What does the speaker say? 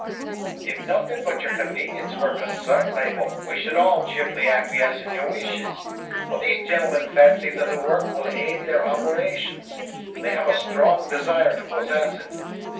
"If nothing but your convenience were concerned, Mabel, we should all cheerfully acquiesce in your wishes, but these gentlemen fancy that the work will aid their operations, and they have a strong desire to possess it.